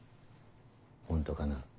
ホントかな？